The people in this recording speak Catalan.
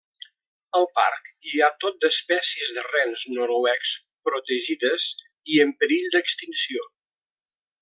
Al parc hi ha tot d'espècies de rens noruecs protegides i en perill d'extinció.